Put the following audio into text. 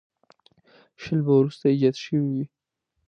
شل به وروسته ایجاد شوي وي.